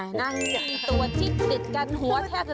นี่ก็ง่ายนั่งมีอีตัวจิ๊กติดกันหัวแทบติดกันแล้วด้วย